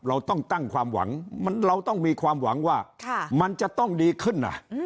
เราต้องตั้งความหวังเราต้องมีความหวังว่ามันจะต้องดีขึ้น